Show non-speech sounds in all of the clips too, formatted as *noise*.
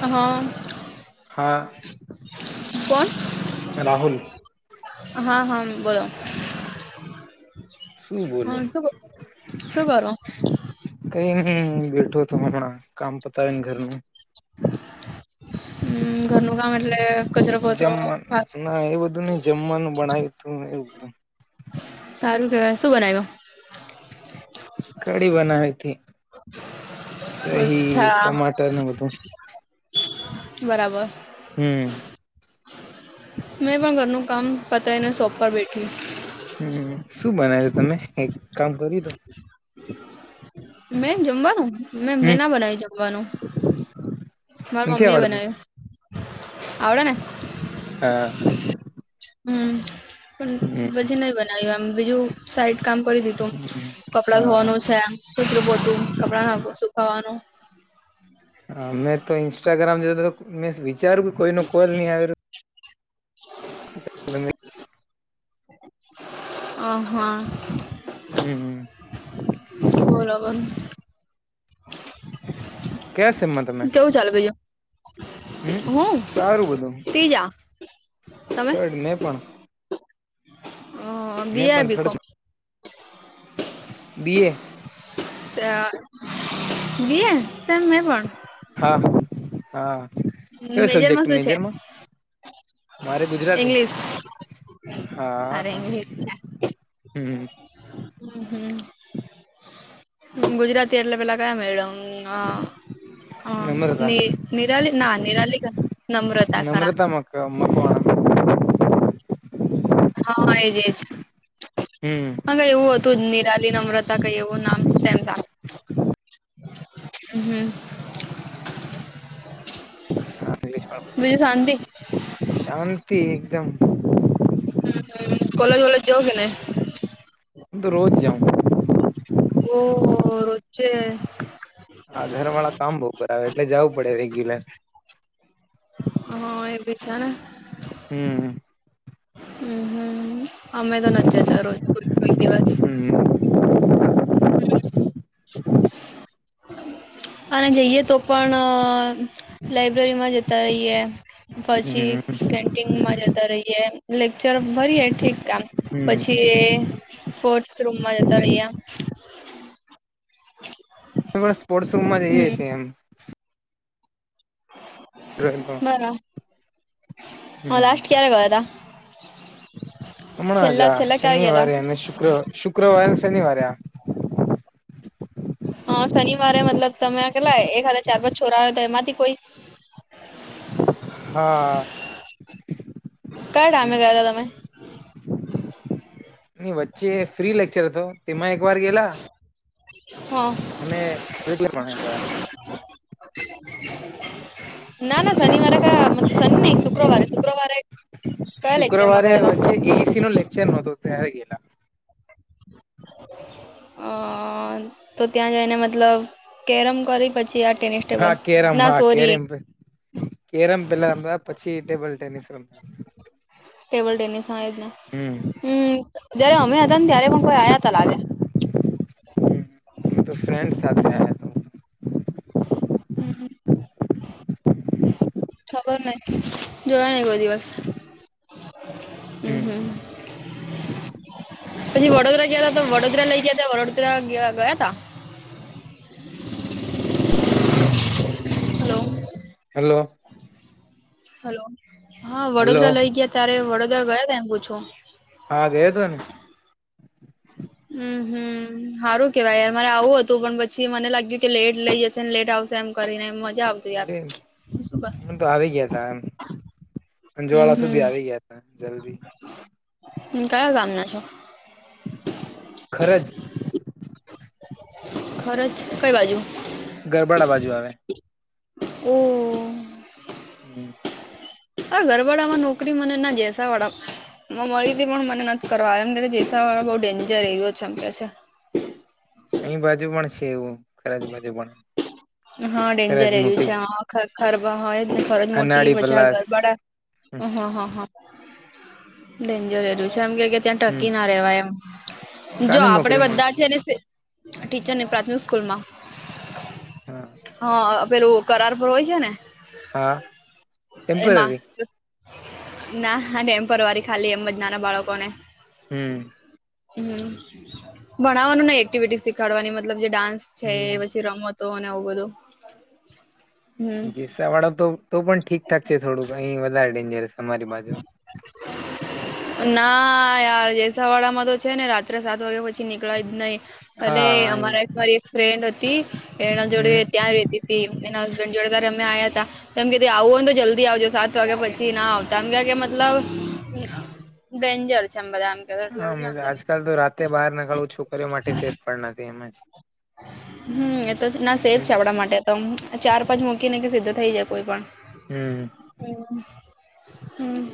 હા હા કોણ રાહુલ હા હા બોલો શું બોલું? હા શું કરો? શું કરો કઈ નહી બેઠો તો હમણાં કામ પતાવે ને ઘરનું. હમ ઘરનું કામ એટલે કચરો પોતો જમવા બસ ના એ બધું નહ જમવાનું બણાવ્યું તું એવું. બધું સારું કેવાય શું બનાવ્યું? કઢી બનાવી હતી દહી અચ્છા ટમાટર ને બધું બરાબર હમ મેં પણ ઘરનું કામ પતા એને સોપ પર બેઠી. હમ શું બનાયુ છે તમે? એક કામ કર્યું તો. મેં જમવાનું મેં મેં હમ ના બનાવી જમવાનું. મારા નથી મમ્મી એ આવડતું બનાયુ આવડે ને. હા હમ પણ હમ પછી નહી બનાવ્યું એમ બીજું સાઈડ કામ કરી દીધું કપડા હા ધોવાનું છે. કચરુ પોતુ કપડા હા સુખાવાનું. હ અ મેમે તો ઇન્સ્ટાગ્રામ જોતા મેં વિચાર્યું કે કોઈ નો કોલ નહી આવેયો. *unintelligible* *unintelligible* અ હા હમ હ બોલો બો કયા સેમમાં તમે? કેવું ચાલે બીજું હમ હું સારું બધું ત્રીજા તમે થર્ડ મેં પણ. હા બી આ B com BA BA sem મેં પણ હા હા પણ કયો સબ્જેક્ટ શું છે મેજરમાં? મારે ગુજરાતી ઇંગ્લિશ અરે હા ઇંગ્લિશ છે હમ હમ હમ ગુજરાતી એટલે પેલા કયા મેડમ હ હ નમ્રતા ની નિરાલી ના નિરાલી કા નમ્રતા ખરા. *unintelligible* હા એજ એજ. હમ હ કઈ એવું હતું નિરાલી નમ્રતા કઈ એવું નામ છેમ *inaudible* *unintelligible* હા બીજું શાંતિ શાંતિ એકદમ હ હ કોલેજ વોલેજ જવો કે નહીં? હું તો રોજ જાઉં. ઓહ રોજે હા, ઘર વાળા કામ બઉુ કરાવે એટલે જવું પડે રેગ્યુલર. હા, એ બી છેને. હમ્મ, અમ્મ. હમ્મ હમ્મ અમે તો નથી જતા રોજ કો કોઈ દિવસ હમ્મ, અમ્મ. હમ્મ. અને જઈએ તો પણ અહ લઇબ્રેરી માં જતા રહીયએ પછી હમ કેન્ટીનમાં જતા રહીયએ. લેક્ચર ભરીએે ઠીક કામ હમ પછી સ્પોર્ટ્સ રૂમમાં જતા રહીયા. માં સ્પોર્ટ્સ રૂમમાં જઈએ છીએ એમ. રોયલ ગો હ ના હા લાસ્ટ ક્યારે ગયા તા? હમણાં જ છેલ્લા આ છેલ્લા ક્યારે ગયા શનિવારે અને શુક્ર શુક્રવારે શનિવારે આ. હા, શનિવારે મતલબ તમે કેટલાય એકા ચાર પાજ છોરા આવ તો એમાંથી કોઈ હા, કયા ટાઈમે હમ્મ. ગયા હતા તમે ને વચ્ચે ફ્રી લેક્ચર હતો તેમાં એક વાર ગેલા હ અને મેં તો પણ એક વાર. *unintelligible* ના ના શનિવારે કયા મત સન નહી શુક્રવારે શુક્રવારે કયા લેક્ચર માં ગયા તા? એ એ સી નો લેક્ચર હતું. તે ગેલા. *unintelligible* અહ તો ત્યાં જઈને મતલબ કેરમ કરી પ છી આ ટેનિસ ટેબલ હા કેરમ ના હા સોરી કેરમ કેરમ પેલા ના પછી ટેબલ ટેનિસ રમ્યા. ટેબલ ટેનિસ હા એજને હમ હમ્મ જયારે અમે્યા હતા ને ત્યારે પણ કોઈ આયા તા લાગે. હમ્મ એ તો ફ્રેન્ડ સાથે આયા. તો હમ્મ. ખબર નઈ જોયા નહીં કોઈ. દિવસ અમ્મ હમ હમ્મ. પછી વડોદરા ગયા ત તો વડોદરા લઇ ગયા ત વડોદરા ગ-ગ-ગયા તા? *unintelligible* હેલો. હેલો. હેલો હા હલો વડોદરા લઈ ગયા ત્યારે વડોદરા ગયા તા એમ પૂછું? હા ગયા તા ને. હમ્મ, હમ્મ. હારું કેવાય યાર મારે આવું હતું પણ પ છી મને લાગ્યું કે લેટ લઈ જશે ને લેટ આવશે એમ કરીને મજા આવતી યાર શું ક અંજવાડા સુધી આવી ગયા તા જલ્દી. હમ્મ, કયા ગામ ના છો? ખરજ. ખરજ કઈ બાજુ? ગરબાડા બાજુ આવે. ઓ. હમ્મ. પર ઘરબડા માં નોકરી મને ના જેસા વાળા મ મળી હતી પણ મને નથી કરવા એમ જેસા વાળો બહુ ડેન્જર એયો છે એમ કે છે. અહી બાજુ પણ છે એવું ખરા જ બાજુ પણ હા ડેન્જર ખરજ એરયુ મોટી છે હાં ખરબા હોય ફરજ મોટી અનાળી પછી આ પલાસ ગરબાડા હ હ હા હા ડેન્જર એરયું છે એમ કેવાય કે ત્યાં હમ ટકી ના રેવાય એમ. જો સાની આપડે નોકરી બધા છે મળતી ને ટીચર ની પ્રાથમિક સ્કૂલ માં હા હા પેલું કરાર પર હોય છે ને હા એમાં ટેમ્પરરી ના ટેમ્પરવારી ખાલી એમ જ નાના બાળકો ને હમ. હમ ભણવાનું નહી એક્ટિવિટી શીખાડવાની મતલબ જે ડાન્સ છે હમ પછી રમતો અને આવું બધું હમ. સાવાળા તો પણ ઠીકઠાક છે થોડુંક અહીં વધારે ડેન્જરસ અમારી બાજુ. ના યાર જેસાવાડા માં તો છે ને રાત્રે સાત વાગે પછી નીકળાય જ નહીં અલે હા અહી અમારા એક મારી ફ્રેન્ડ હતી એના જોડે હમ ત્યાં રેતી તી એના હસબેન્ડ જોડે ત્યારે અમે આયા હતા તો એમ તે આવું હોય ને તો જલ્દી આવજો સાત વાગ્યા પછી ના આવ તમ કે કે મતલબ ડેન્જર છે એમ બધા આમ હા મે આજકાલ તો રાતે બહાર નીકળવું છોકરીઓ માટે સેફ પણ નથી એમ જ હમ એતો ના સેફ હમ છે આપડા માટે તમ ચાર પાંચ મૂકીને કે સીધો થઈ જાય કોઈ પણ હમ. હમ હમ.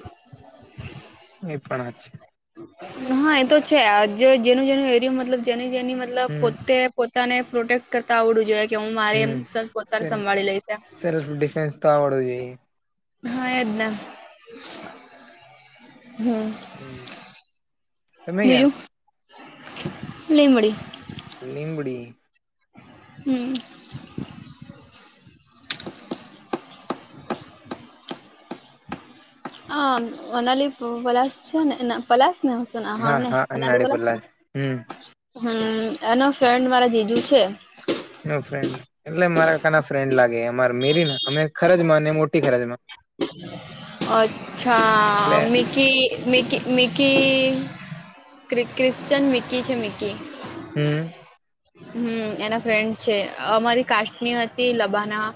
એ પણ છે. હા એ તો છે આ જે જેનું જેનું એરિયો મતલબ જેની જેની મતલબ હમ પોતે પોતાને પ્રોટેક્ટ કરતા આવડું જોઈએ કે હું મારે હમ પોતાને સેલ્ફ સંભાળી લઈશ એમ. સેલ્ફ ડિફેન્સ તો આવડવું જોઈએ હા એજ ને હમ. હા એજ તમે ગિયા બીજું લીમડી. નિમ્બડી હમ. આ અનાલી પલાશ છે ને પલાશ ને હને હા ને હા અનાળી પલાસ હમ *inaudible* હમ એનો ફ્રેન્ડ મારા જીજુ છે. નો ફ્રેન્ડ એટલે મારાકાના ફ્રેન્ડ લાગે અમારા મેરી અમે ખરજ માં ને મોટી ખરજમાં અચ્છા એટલે મી કી મિકી મિકી ક્રિ ક્રિશ્ચયન મિકી છે મિકી. હમ. હમ એના ફ્રેન્ડ છે અમારી કાસ્ટની હતી લબાના.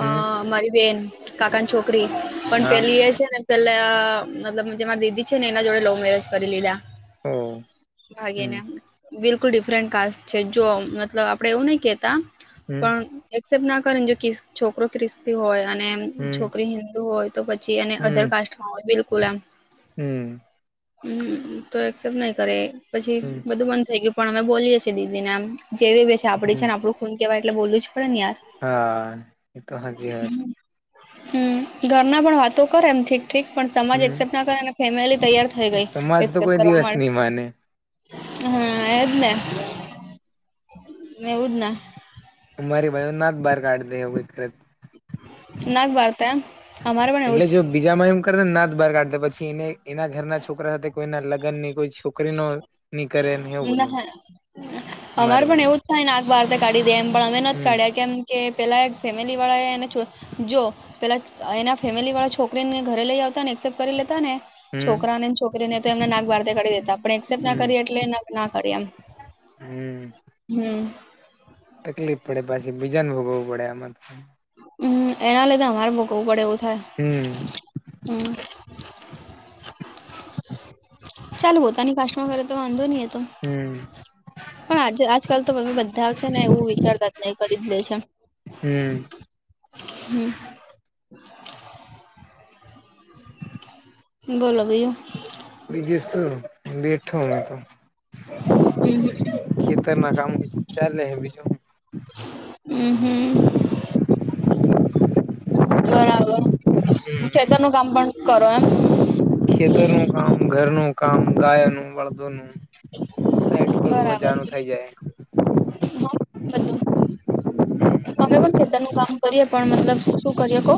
અ હમ મારી બેન કાકાની છોકરી પણ હા પેલી એ છે ને પેલા મતલબ જે મારી દીદી છે ને એના જોડે લવ મેરેજ કરી લીધા. ઓવ ભાગીને બિલકુલ ડિફરન્ટ કાસ્ટ છે જો મતલબ આપડે એવું નહી કેતા હમ પણ એક્સેપ્ટ ના કરે ને જો કિસ છોકરો ક્રિસ્તી હોય અને એમ હમ છોકરી હિન્દુ હોય તો પછી એને અધર કાસ્ટમાં હોય બિલકુલ આમ. હમ્મ. હમ્મ, તો એક્સેપ્ટ નહી કરે, પછી હમ બધું બંધ થઈ ગયું, પણ અમે બોલીએ છે. તે દીવી ને આમ, જેવી બી છે, આપડી છે ને, હમ આપડું ખુન કહેવાય એટલે બોલુંજ પન યાર, હા એ તો હાચી વાત હમ્મ હમ્મ, ઘર મા પણ વાતો કરે, એમ ઠીક ઠીક, પણ સમાજ હમ એક્સેપ્ટ ના કરે, અને ફેમિલી તૈયાર થ થઇ ગઈ સમાજ તો એકસેપ કોઈ દિવસ કરવા, નહી માને હા એજ ને. ને એવુંજ ને. તમારી બેહોનાજ બાર ગાળ દે, એવું કરે. *inaudible* બારતા. અમારે પણ એવું એટલે જો. બીજા માં એમ કરને નાદ બહાર કાઢતા. પછી એને એના ઘરના છોકરા સાથે કોઈના લગ્ન ની કોઈ છોકરીનો ની કરે ને એવું જ બધું. ના અમારે મારી પણ બાજુ એવું જ થાય ને નાત બહાર કાઢી દે એમ. પણ અમે નથી હમ કાઢ્યા. કેમ? કે પેલા એક ફેમિલી વાળા એ એને જો પેલા એના ફેમિલી વાળા છોકરીને ઘરે લઈ આવતા ને એક્સેપ્ટ કરી લેતા ને. હમ છોકરા ને છોકરીને એમને નાક બાર કાઢી દેતા. પણ એક્સેપ્ટ ના હમ કરી એટલે ના હમ *inaudible* તકલીફ પડે પાછી બીજાન ભોગવું પડે આમાં હમ એના લીધે અમારે ભોગવવું પડે એવું થાય. હમ. હમ. *inaudible* ચાલ પોતાની કાસ્ટ માં કરે તો વાંધો નહી એ તો. હમ. પણ આજ આજકાલ તો હવે બધા છે ને એવું વિચારતા જ નહી. કરી દે છે. હમ હમ. બોલો બીજુ? બીજું શું બેઠો હુ તો. હમ હમ તેરના કામ ચાલેે હ *inaudible* હમ હમ બરાબર. ખેતર હમ નું કામ પણ કરો એમ? ખેતરનું કામ, ઘરનુ કામ, ગાયોનુ કામ. બરાબર છે હ બધું. અમે પણ ખેતર નું કામ કરીએ. પણ મતલબ શું કરીએ કઉ?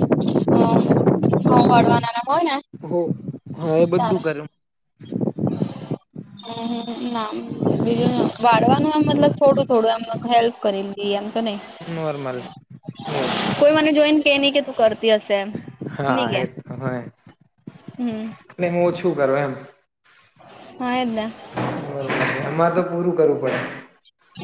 ઘઉ જાય વાળવા ના ના હોય ને. હો હા એ બધું તારે કરે. હમ હમ ના બીજું વાળવાનું આમ મતલબ થોડું થોડું એમ હેલ્પ કરી ને એમ તો નહી નોર્મલ એવું કોઈ મને જોઈન કે નહી કે તું કરતી હશે. એમ નહી કે *unintelligible* કરું હમ એમ. હા એ જ. *inaudible* એમાં તો પૂરું કરવું પડે.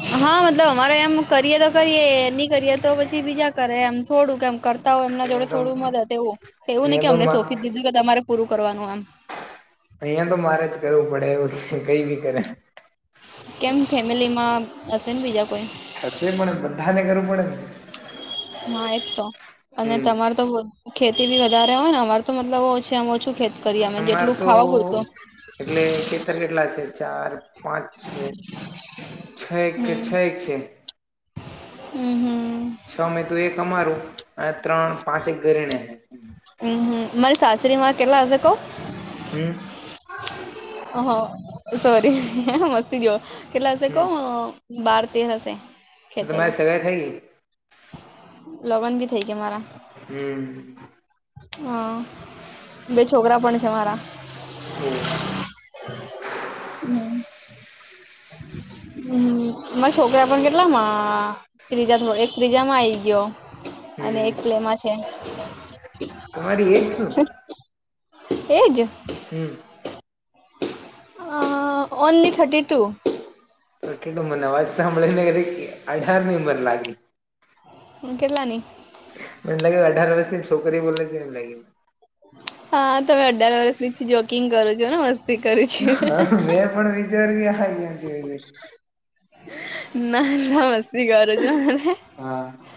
હ. હા મતલબ અમારે એમ કરીએ તો કરીએ. એ નહી કરીએ તો પછી બીજા કરે. એમ થોડું કેમ કર હોય એમના જોડે અહિયાં તો થોડું મદદ એવું એવું નઈ કે અમને અહિયાં સોંપી તો દીધું કે તમારે પૂરું કરવાનું એમ. અહીયા તો મારે જ કરવું પડે એવું કઈ બી કરે. કેમ ફેમિલી માં હશે ને બીજા કોઈ? હશે પણને બધાને કરું પડે ને. હા એક તો અને હમ તમારે તો ખેતી બી વધારે હોય ને. અમારે તો મતલબ ઓ છે આ ઓછું ખેતી- કરી અમે અમાર જેટલું તો ખાવા બોલતો. એટલે ખેતર કેટલા છે? ચાર પાંચ છે છ કે છ હમ છે. હમ હમ. છ મે તું એક અમારું અને ત્રણ પાંચ એક ઘરેને. હમમ મારી સાસરીમાં કેટલા હશે કઉ? હમ. હહ સોરી મસ્તી જયો કેટલા હશેે કઉ. હમ બાર તેર હશે ખેતરો. તમારી સગાઈ થઈ ગઈ લગન બી થઇ ગયા મારા. હમ. હા, બે છોકરા પણ છે મારા. હમ. *unintelligible* હમ, મારા છોકરા પણ ગેલા. ત્રીજા થો એક ત્રીજામાં આઈ ગયો, અને હમ એક પહેલામાં છે. તમારી એજ શું? Age. Hmm. Only thirty two. તો કટુંબને અવાજ સાંભળી ને, અઢાર ની ઉમર લાગી. હ, કેટલાની? મને લાગે, અઢાર વર્ષથી છોકરી બોલા છે એ લાગે. હા, તમે અઢાર વર્ષ ની જોકિંગ કરો છો ને મસ્ત. હા, મેં પણ વિચાર્યું હ. ના, ના, મસ્તી કર છુ. હા.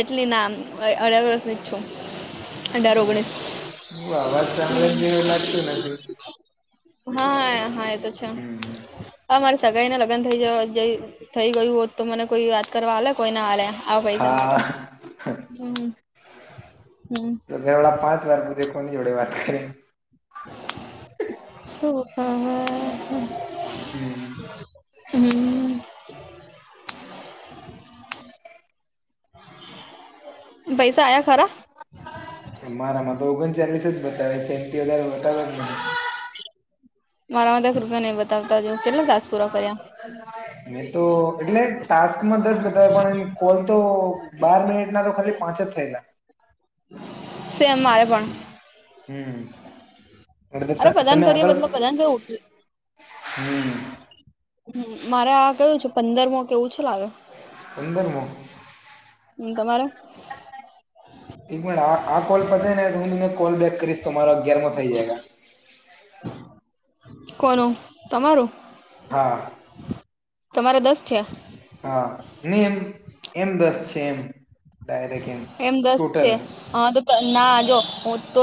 એટલી ના અઢાર વર્ષ ની છું. અઢાર ઓગણીસ અવાજ સાંભળે તો એવું લાગતું નથી. હા, હા, એ તો છે. હમ. હા, મારે સગાઈને લગ્ન થઈ જ થઈ ગયું હોત, તો મને કોઈ વા કરવાલે કોઈ ના હલે, આ પૈસા માટે હા. હમ, હમ. તો મેવળડા પાંચ વાર પૂજે કોની જોડે વાત કરીને. સો, હા, હ, હ. હમ. હમ. પૈસા આયા ખરા? મારા માં ઓગણ ચાલીસ જ બતાવે, સેમ વધારે બતાવે? મારા માટે રૂપિયા નઈ બતાવતા, તું કેટલા ટાસ્ક પૂરા કર્યા? મે તો એટલે ટાસ્કમાં દસ બતાવતા હોય, પણ એ કોલ તો. બાર મિનિટ ના તો ખાલી પાંચ જ થયેલા. સેમ મારે પણ. હમ, અડ અરે પ્રદાન તમે કરીએ આગળ. મતલબ પ્રદાન કેવું હમ. *unintelligible* હ, મારે આ કયું છે, પંદર મો કેવું છે લાગે. પંદરમાં. હમ, તમારે? આ કોલ પતે ને, હું તમને કોલ બેક કરીશ, તો મારો અગિયારમો થઈ જાય. કોનું તમારું? હા. તમારે દસ છે? હા ને, એમ એમ દસ છે, એમ ડાયરેક્ટ એમ દસ છે ટોટલ. હા, તો ના જો તો.